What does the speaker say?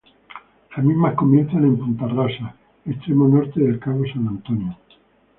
Las mismas comienzan en punta Rasa, extremo norte del cabo San Antonio.